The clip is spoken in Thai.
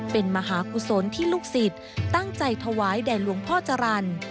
เป็นมหากุศลที่ลูกศิษย์ตั้งใจถวายแด่หลวงพ่อจรรย์